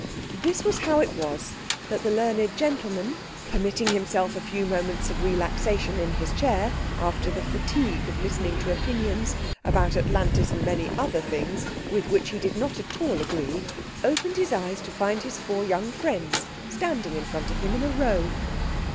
This was how it was that the learned gentleman, permitting himself a few moments of relaxation in his chair, after the fatigue of listening to opinions (about Atlantis and many other things) with which he did not at all agree, opened his eyes to find his four young friends standing in front of him in a row.